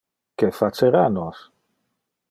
Que facera nos?